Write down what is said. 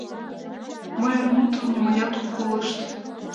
Мыйын мутым нимаят ок колышт.